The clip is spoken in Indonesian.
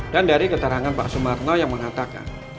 dan dari keterangan pak sumarno yang mengatakan